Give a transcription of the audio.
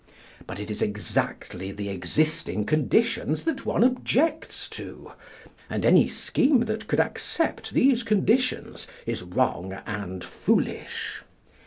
But it is exactly the existing conditions that one objects to; and any scheme that could accept these conditions is wrong and foolish.